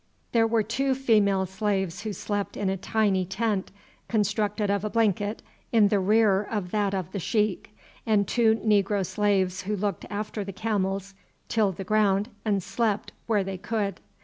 There were two female slaves who slept in a tiny tent constructed of a blanket in the rear of that of the sheik, and two negro slaves who looked after the camels, tilled the ground, and slept where they could.